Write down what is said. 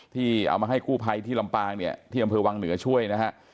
ที่เอามาให้กู้ภัยที่ลำปางเนี่ยที่อำเภอวังเหนือช่วยนะฮะ